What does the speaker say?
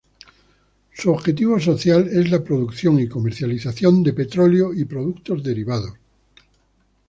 Su objetivo social es la producción y comercialización de petróleo y productos derivados.